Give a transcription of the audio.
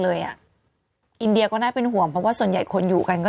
เลยอ่ะอินเดียก็น่าเป็นห่วงเพราะว่าส่วนใหญ่คนอยู่กันก็